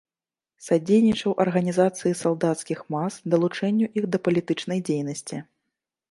Садзейнічаў арганізацыі салдацкіх мас, далучэнню іх да палітычнай дзейнасці.